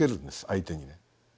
相手にね。